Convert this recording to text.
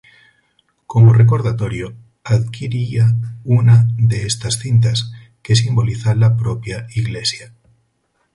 Como recordatorio, adquiría una de estas cintas, que simboliza la propia iglesia.